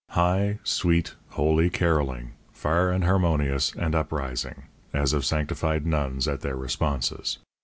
High, sweet, holy carolling, far and harmonious and uprising, as of sanctified nuns at their responses.